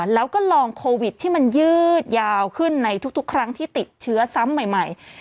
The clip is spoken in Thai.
แล้วก็ลองโควิดที่มันยืดยาวขึ้นในทุกครั้งที่ติดเชื้อซ้ำใหม่